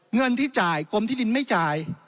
เงินที่จ่ายกรมที่ดินไม่จ่าย